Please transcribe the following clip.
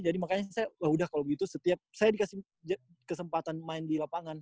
jadi makanya saya oh udah kalo gitu setiap saya dikasih kesempatan main di lapangan